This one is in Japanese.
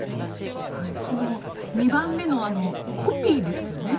その２番目のコピーですよね。